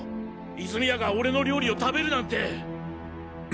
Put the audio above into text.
泉谷が俺の料理を食べるなんて。